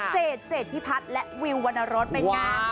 เจดเจดพี่พัดและวิววรรณรสเป็นงาน